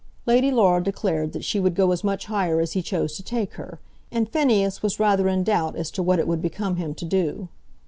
Lady Laura declared that she would go as much higher as he chose to take her, and Phineas was rather in doubt as to what it would become him to do.